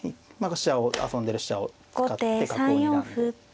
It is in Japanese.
飛車を遊んでる飛車を使って角をにらんで。